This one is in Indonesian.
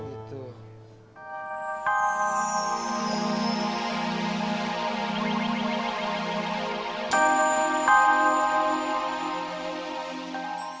aku di bandung